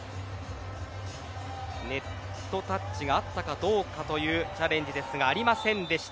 ネットタッチがあったかどうかというチャレンジですがありませんでした。